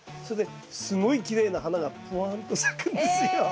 それですごいきれいな花がぷわんと咲くんですよ。